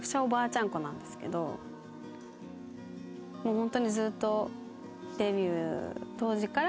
ホントにずっと。